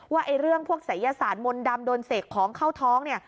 ว่าเรื่องพวกสายยาศาสตร์มนตร์ดำโดนเสกของเข้าท้อง